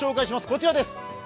こちらです。